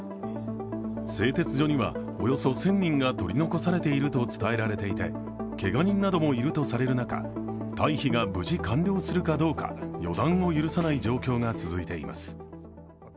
製鉄所にはおよそ１０００人が取り残されていると伝えられていてけが人などもいるとされる中、退避が無事完了するかどうか、予断を許さない状況が続いています。